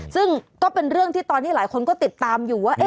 ซึ่งก็เป็นเรื่องที่ตอนนี้หลายคนก็ติดตามอยู่ว่า